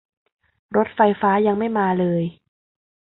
รถไฟฟ้ายังไม่มาเลย